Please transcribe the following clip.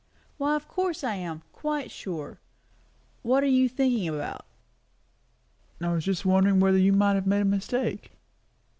"Why, of course I am! Quite sure. What are you thinking about?" "Just wondering whether you might have made a mistake."